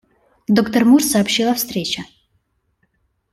Доктор Мур сообщил о встрече.